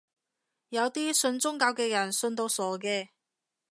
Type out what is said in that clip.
有啲信宗教嘅人信到傻嘅